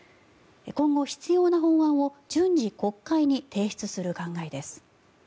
今後、必要な法案を順次、国会に提出する考えです。